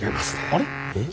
あれ？